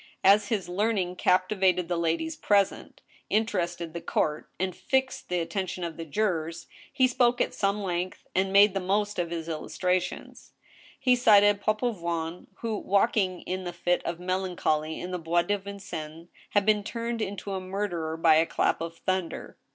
As his learning captivated the ladies present, interested the couft, and^ fixed the attention of the jurors, he spoke at some length, and made the most of his illustrations. He cited Papavoine, who, walking in a fit of melancholy in the Bois de Vincennes, had been turned into a murderer by a clap of thunder.